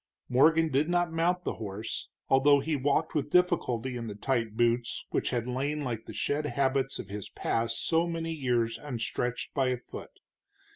Morgan did not mount the horse, although he walked with difficulty in the tight boots which had lain like the shed habits of his past so many years unstretched by a foot.